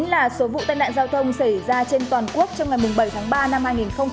hai mươi chín là số vụ tai nạn giao thông xảy ra trên toàn quốc trong ngày bảy tháng ba năm hai nghìn một mươi bảy